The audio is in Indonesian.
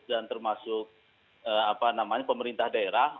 dan termasuk pemerintah daerah